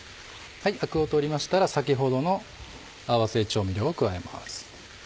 アクを取りましたら先ほどの合わせ調味料を加えます。